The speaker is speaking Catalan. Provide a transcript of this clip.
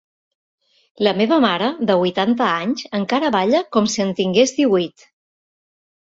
La meva mare de huitanta anys encara balla com si en tingués díhuit.